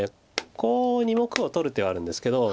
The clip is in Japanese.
こう２目を取る手はあるんですけど。